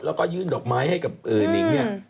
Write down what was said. แล้วก็ยื่นดอกไม้ให้กับนิงเนี่ย